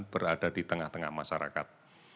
berada di tengah tengah masyarakat